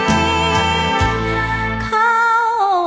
หัวใจเหมือนไฟร้อน